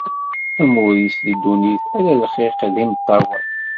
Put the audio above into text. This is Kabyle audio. Amur-is deg ddunit ala lxiq d imeṭṭawen.